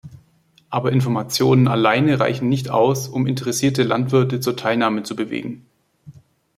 Aber Informationen alleine reichen nicht aus, um interessierte Landwirte zur Teilnahme zu bewegen.